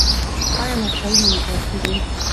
ایا مفصلونه مو دردیږي؟